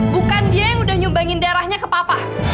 bukan dia yang udah nyumbangin darahnya ke papa